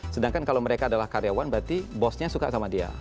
sedangkan kalau mereka adalah karyawan berarti bosnya suka sama dia